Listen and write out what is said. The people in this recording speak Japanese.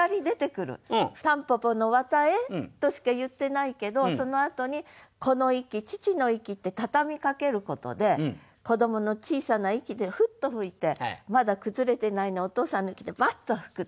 「たんぽぽの絮へ」としか言ってないけどそのあとに「子の息父の息」って畳みかけることで子どもの小さな息でフッと吹いてまだ崩れてないのをお父さんの息でバッと吹くと。